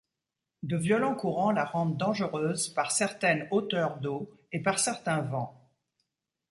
De violents courants la rendent dangereuse par certaines hauteurs d'eau et par certains vents.